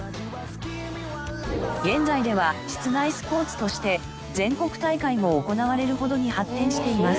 現在では室内スポーツとして全国大会も行われるほどに発展しています。